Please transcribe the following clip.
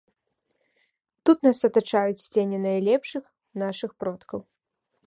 Тут нас атачаюць цені найлепшых нашых продкаў.